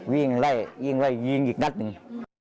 วิ่งไล่วิ่งไล่ยิงอีกนัดหนึ่ง